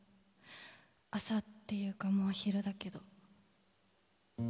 朝っていうかもう昼だけど。